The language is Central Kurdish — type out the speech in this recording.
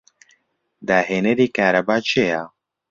داهێنەری کارەبا کێیە؟